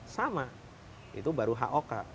sama itu baru hok